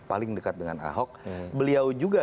paling dekat dengan ahok beliau juga